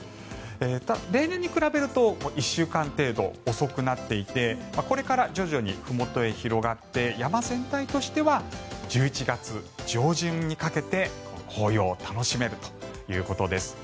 例年に比べると１週間程度遅くなっていてこれから徐々にふもとへ広がって山全体としては１１月上旬にかけて紅葉を楽しめるということです。